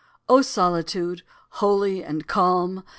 O solitude, holy and calm!